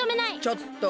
ちょっと！